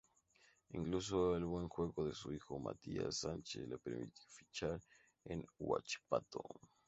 Incluso el buen juego de su hijo Matias Sánchez le permitió fichar en Huachipato.